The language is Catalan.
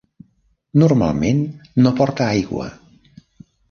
Normalment no porta aigua.